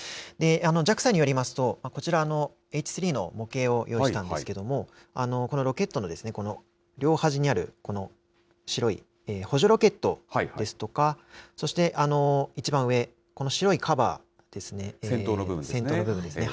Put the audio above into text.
ＪＡＸＡによりますと、こちら、Ｈ３の模型を用意したんですけれども、このロケットのこの両端にあるこの白い補助ロケットですとか、そして一番上、この白いカバ先頭の部分ですね。